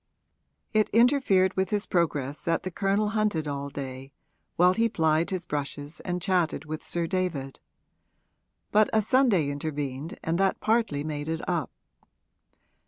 It interfered with his progress that the Colonel hunted all day, while he plied his brushes and chatted with Sir David; but a Sunday intervened and that partly made it up.